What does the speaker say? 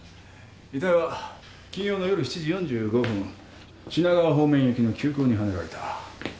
遺体は金曜の夜７時４５分品川方面行きの急行にはねられた。